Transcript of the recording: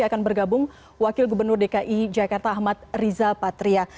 akan bergabung wakil gubernur dki jakarta ahmad riza patria